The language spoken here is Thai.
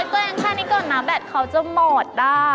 ตัวเองแค่นี้ก่อนนะแบตเขาจะหมดได้